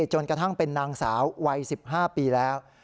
จนกระทั่งเป็นนางสาววัย๑๕ปีแล้ว